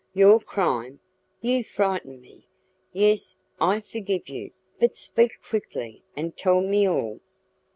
"Your crime! You frighten me. Yes, I forgive you, but speak quickly, and tell me all."